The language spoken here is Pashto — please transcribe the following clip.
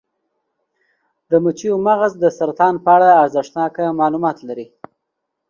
د مچیو مغز د سرطان په اړه ارزښتناک معلومات لري.